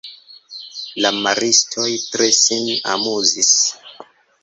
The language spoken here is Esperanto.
La maristoj tre sin amuzis.